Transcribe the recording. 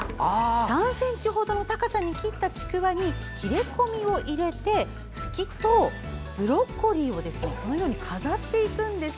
３ｃｍほどの高さに切ったちくわに切れ込みを入れてふきとブロッコリーを飾っていくんです。